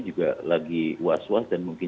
juga lagi was was dan mungkin